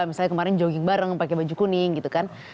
misalnya kemarin jogging bareng pakai baju kuning gitu kan